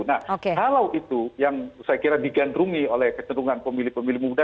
nah kalau itu yang saya kira digandrungi oleh kecenderungan pemilih pemilih muda